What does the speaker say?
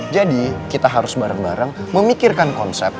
jadi kita harus bareng bareng memikirkan konsep